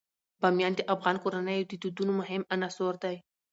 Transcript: بامیان د افغان کورنیو د دودونو مهم عنصر دی.